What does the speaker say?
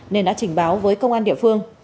nên đã trình báo với công an địa phương